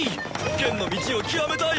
剣の道を極めたい！